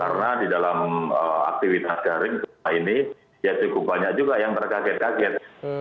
karena di dalam aktivitas daring ya cukup banyak juga yang terkaget kaget